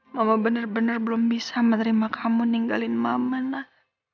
mama bener bener belum bisa menerima kamu ninggalin mama lah